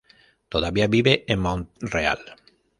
Todavía vive en Montreal.